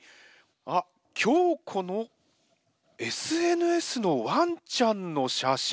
あっ強子のＳＮＳのワンちゃんの写真。